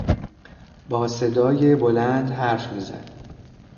با صدای بلند حرف میزد.